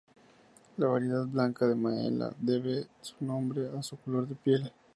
La variedad 'Blanca de Maella' debe su nombre a su color de piel.